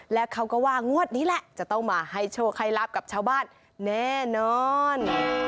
และเขาก็ว่างวดนี้แหละจะต้องมาให้โชคให้ลับกับชาวบ้านแน่นอน